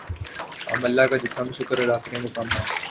ہم اللہ کا جتنا بھی شکر ادا کریں وہ کم ہے